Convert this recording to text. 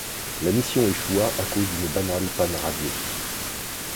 La mission échoua à cause d'une banale panne radio.